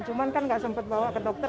cuma kan nggak sempet bawa ke dokter